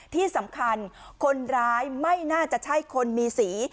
ที่สำคัญคนร้ายไม่น่าจะใช่คนมีสี